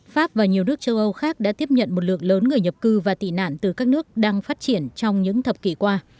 pháp và nhiều nước châu âu khác đã tiếp nhận một lượng lớn người nhập cư và tị nạn từ các nước đang phát triển trong những thập kỷ qua